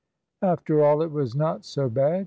After all, it was not so bad.